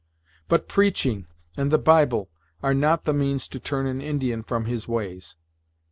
"But preaching, and the Bible, are not the means to turn an Indian from his ways.